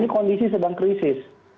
kondisi sedang krisis